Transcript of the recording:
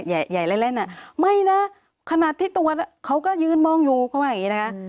ใหญ่ใหญ่เล่นอ่ะไม่นะขนาดที่ตัวเขาก็ยืนมองอยู่เขาว่าอย่างนี้นะคะ